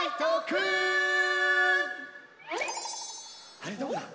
あれどこだ？